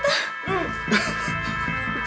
うん。